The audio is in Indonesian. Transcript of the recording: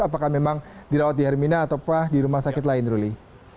apakah memang dirawat di hermina atau di rumah sakit lain ruli